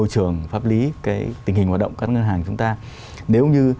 hoạt động các ngân hàng chúng ta nếu như